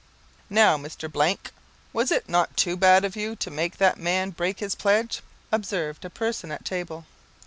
"Now, Mr. , was it not too bad of you to make that man break his pledge?" observed a person at table.